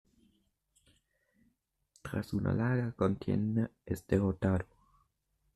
Tras una larga contienda, es derrotado.